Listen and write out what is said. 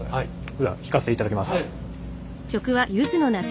では弾かせていただきます。